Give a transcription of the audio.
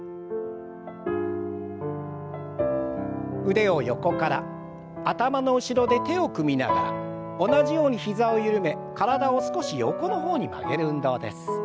腕を横から頭の後ろで手を組みながら同じように膝を緩め体を少し横の方に曲げる運動です。